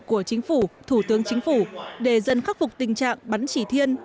của chính phủ thủ tướng chính phủ để dân khắc phục tình trạng bắn chỉ thiên